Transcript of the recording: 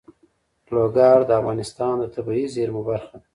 لوگر د افغانستان د طبیعي زیرمو برخه ده.